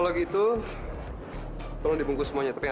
sampai jumpa di video selanjutnya